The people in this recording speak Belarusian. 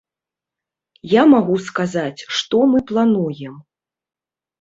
Я магу сказаць, што мы плануем.